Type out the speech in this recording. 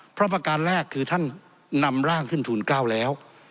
เพราะประการแรกคือท่านนำร่างขึ้นทูล๙แล้ว